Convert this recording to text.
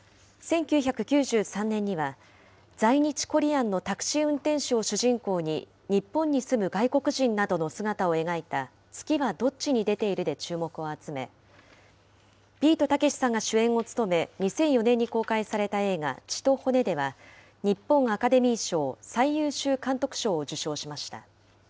１９９３年には、在日コリアンのタクシー運転手を主人公に、日本に住む外国人などの姿を描いた、月はどっちに出ているで注目を集め、ビートたけしさんが主演を務め、２００４年に公開された映画、血と骨では、日本アカデミー賞最優秀監督賞を受賞しました。